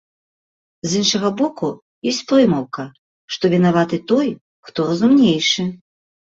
З іншага боку, ёсць прымаўка, што вінаваты той, хто разумнейшы.